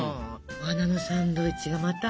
お花のサンドイッチがまた。